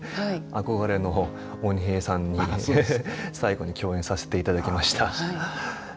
憧れの鬼平さんに最後に共演させていただきました。